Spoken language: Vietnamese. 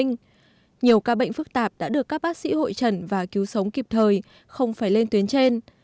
nhiều ca bệnh phức tạp đã được các bác sĩ hội trần và cứu sống kịp thời không phải lên tuyến trên